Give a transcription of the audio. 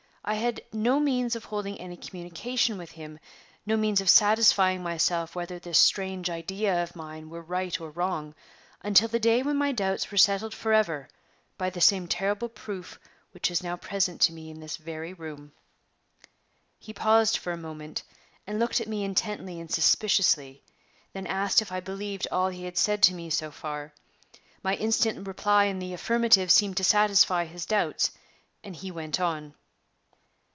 I had no means of holding any communication with him, no means of satisfying myself whether this strange idea of mine were right or wrong, until the day when my doubts were settled forever by the same terrible proof which is now present to me in this very room." He paused for a moment, and looked at me intently and suspiciously; then asked if I believed all he had said to me so far. My instant reply in the affirmative seemed to satisfy his doubts, and he went on.